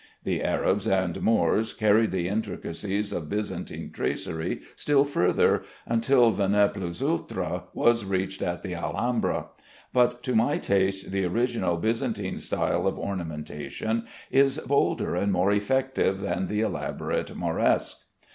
The Arabs and Moors carried the intricacies of Byzantine tracery still further, until the ne plus ultra was reached at the Alhambra; but to my taste the original Byzantine style of ornamentation is bolder and more effective than the elaborate Mauresque.